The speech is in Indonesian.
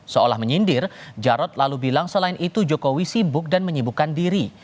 seolah menyindir jarod lalu bilang selain itu jokowi sibuk dan menyibukkan diri